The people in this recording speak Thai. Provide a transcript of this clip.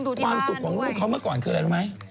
ความสุขของลูกเขาเมื่อก่อนคืออะไรรู้ไหม